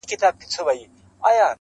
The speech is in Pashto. بدوي ټولنه توره څېره لري ډېر,